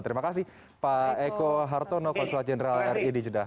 terima kasih pak eko hartono konsulat jenderal ri di jeddah